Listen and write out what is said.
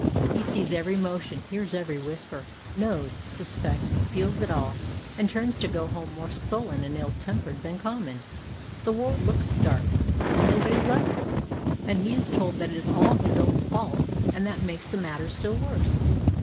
He sees every motion, hears every whisper, knows, suspects, feels it all, and turns to go home more sullen and ill tempered than common. The world looks dark nobody loves him and he is told that it is "all his own fault," and that makes the matter still worse.